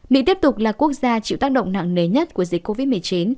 mỹ tiếp tục là quốc gia chịu tác động nặng nề nhất của dịch covid một mươi chín